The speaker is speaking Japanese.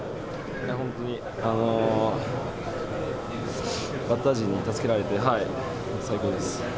本当にバッター陣に助けられて、最高です。